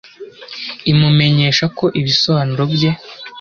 imumenyesha ko ibisobanuro bye